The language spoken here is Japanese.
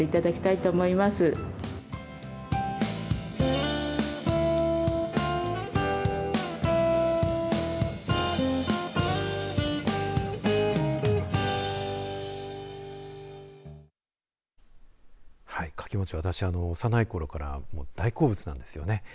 かきもち、私は幼いころから大好物なんですよね。